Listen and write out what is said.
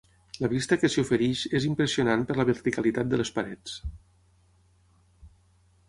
La vista que s'hi ofereix és impressionant per la verticalitat de les parets.